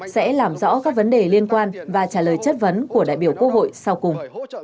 sẽ làm rõ các vấn đề liên quan và trả lời chất vấn của đại biểu quốc hội sau cùng